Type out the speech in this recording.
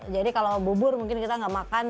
jadi kalau bubur mungkin kita nggak makan diaduk